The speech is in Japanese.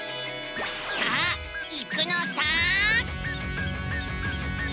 さあ行くのさ！